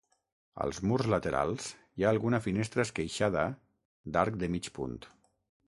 Als murs laterals hi ha alguna finestra esqueixada d'arc de mig punt.